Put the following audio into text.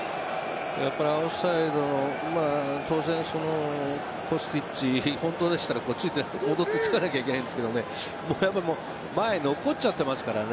やっぱりオフサイドの調整コスティッチ、本当でしたらこっち戻ってきてつかなきゃいけないんですけど前残っちゃってますからね。